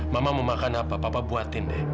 mama mau makan apa papa buatin deh